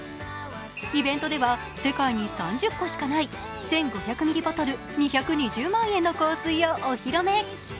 イベントでは世界に３０個しかない１５００ｍｍボトル２２０万円の香水をお披露目。